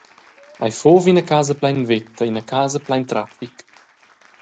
Ei fuva ina casa plein veta, ina casa plein traffic.